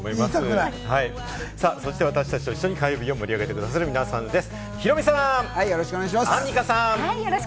私達と一緒に火曜日を盛り上げて下さる皆さんです。